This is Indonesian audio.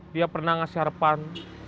dia pernah ngasih harapan